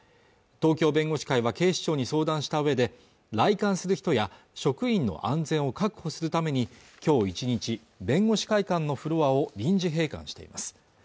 東京弁護士会は警視庁に相談した上で来館する人や職員の安全を確保するために今日１日弁護士会館のフロアを臨時閉館しています